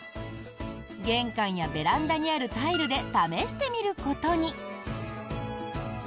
玄関やベランダにあるタイルで試してみることに。